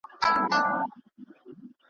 دا له کومه کوه قافه را روان یې ,